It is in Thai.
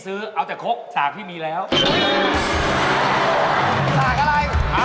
ส้มตำก็มีค่ะทางนี้ค่ะ